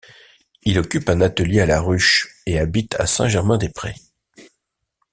Il occupe un atelier à la Ruche et habite à Saint Germain des Prés.